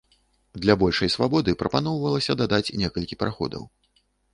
Для большай свабоды прапаноўвалася дадаць некалькі праходаў.